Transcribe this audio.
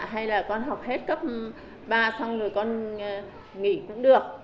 hay là con học hết cấp ba xong rồi con nghỉ cũng được